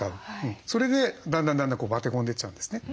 それでだんだんだんだんバテ込んでいっちゃうんですね。